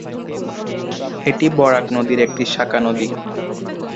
এটি বরাক নদীর একটি শাখা নদী।